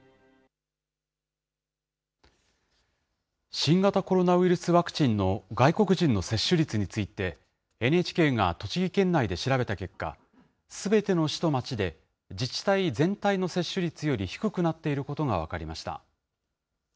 新型コロナウイルスワクチンの外国人の接種率について、ＮＨＫが栃木県内で調べた結果、すべての市と町で、自治体全体の接種率より低くなっていることが分かりました。